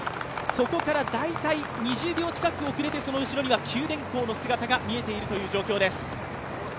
そこから大体２０秒近く遅れてその後ろには九電工の姿が見えている状況です。